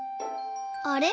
あれ？